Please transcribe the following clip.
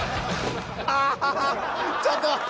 あー、ちょっと！